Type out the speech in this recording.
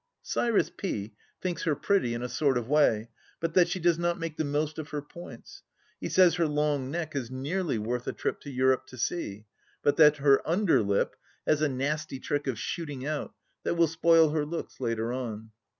Cyrus P. thinks her pretty in a sort of way, but that she does not make the most of her points. He says her long neck is nearly worth a trip to Europe to see, but that her underlip has a nasty trick of shooting out that will spoil her looks later on.